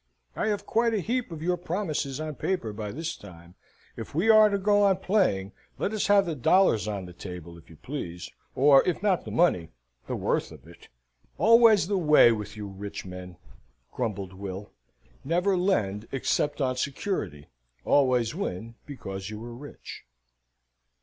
I have quite a heap of your promises on paper by this time. If we are to go on playing, let us have the dollars on the table, if you please; or, if not the money, the worth of it." "Always the way with you rich men," grumbled Will. "Never lend except on security always win because you are rich."